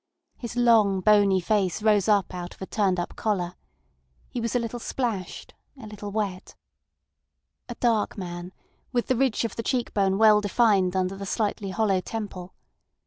His long, bony face rose out of a turned up collar. He was a little splashed, a little wet. A dark man, with the ridge of the cheek bone well defined under the slightly hollow temple.